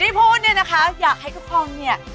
ที่พูดเนี่ยนะคะอยากให้ทุกคนเนี่ย